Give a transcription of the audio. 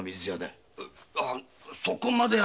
イヤそこまでは。